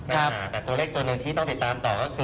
แต่ตัวเลขตัวหนึ่งที่ต้องติดตามต่อก็คือ